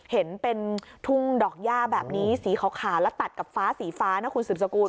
เห็นเป็นทุ่งดอกย่าแบบนี้สีขาวแล้วตัดกับฟ้าสีฟ้านะคุณสืบสกุล